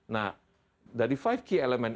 nah dari five key element